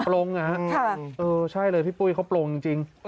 ปร่งอ่ะใช่เลยพี่ปุ๊ยเค้าปร่งจริง